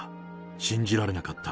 信じられなかった。